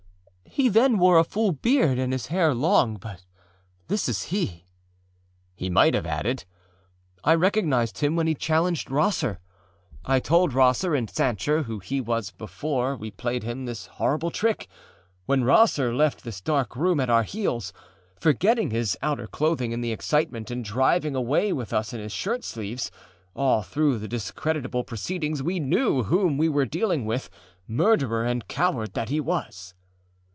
He then wore a full beard and his hair long, but this is he.â He might have added: âI recognized him when he challenged Rosser. I told Rosser and Sancher who he was before we played him this horrible trick. When Rosser left this dark room at our heels, forgetting his outer clothing in the excitement, and driving away with us in his shirt sleevesâall through the discreditable proceedings we knew whom we were dealing with, murderer and coward that he was!